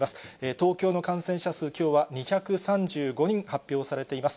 東京の感染者数、きょうは２３５人発表されています。